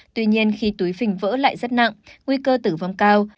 tuy nhiên khi túi phình vỡ lại rất nặng nguy cơ tử vong cao